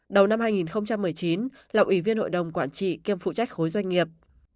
đầu năm hai nghìn một mươi chín là ủy viên hội đồng quản trị kiêm phụ trách khối doanh nghiệp